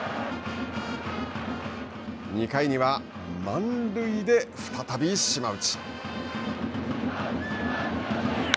２回には満塁で再び島内。